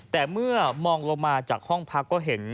แต่เมื่อมองลงมาจากห้องพักก็เห็น